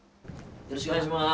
よろしくお願いします。